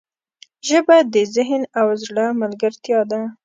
ژبه د ذهن او زړه ملګرتیا ده